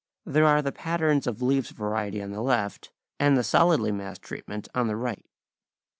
There are the patterns of leaves variety on the left and the solidly massed treatment on the right.